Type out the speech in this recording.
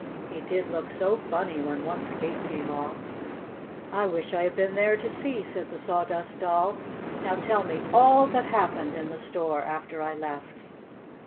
He did look so funny when one skate came off!" "I wish I had been there to see," said the Sawdust Doll. "Now tell me all that happened in the store after I left."